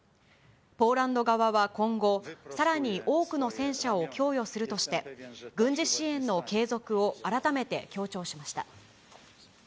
ポーランド側は今後、さらに多くの戦車を供与するとして、軍事支援の継続を改めて強調しました。